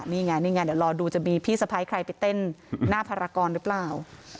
นี่ไงนี่ไงเดี๋ยวรอดูจะมีพี่สะพ้ายใครไปเต้นหน้าภารกรหรือเปล่า